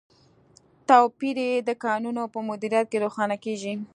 توپیر یې د کانونو په مدیریت کې روښانه کیږي.